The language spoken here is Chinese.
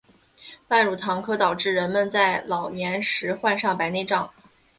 半乳糖可导致人们在老年时患上白内障。